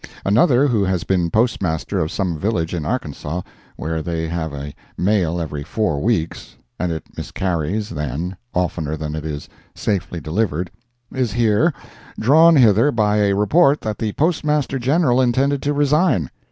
Another, who has been Postmaster of some village in Arkansas where they have a mail every four weeks, and it miscarries, then, oftener than it is safely delivered, is here—drawn hither by a report that the Postmaster General intended to resign.